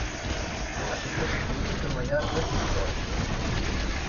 Aquest estudi té una llarga història.